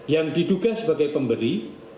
yang diduga sebagai pemberi